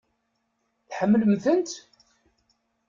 Tḥemmlemt-tent?